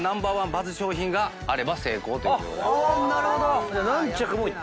バズ商品があれば成功ということです